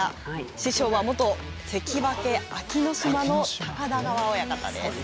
師匠は元関脇、安芸乃島の高田川親方です。